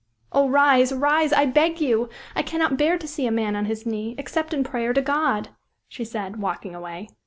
"Oh, rise rise, I beg you! I cannot bear to see a man on his knee, except in prayer to God!" she said, walking away.